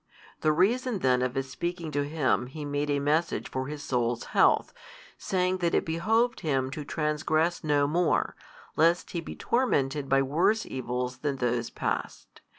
The reason then of His speaking to him He made a message for his soul's health, saying that it behoved him to transgress no more, lest he be tormented by worse evils than those past.